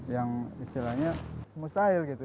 yang istilahnya mustahil gitu